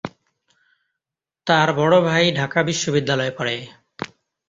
তার বড় ভাই ঢাকা বিশ্ববিদ্যালয়ে পড়ে।